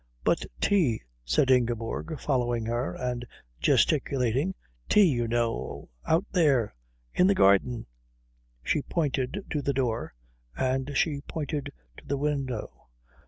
"But tea," said Ingeborg, following her and gesticulating, "tea, you know. Out there in the garden " She pointed to the door, and she pointed to the window.